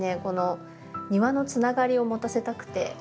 この庭のつながりを持たせたくて。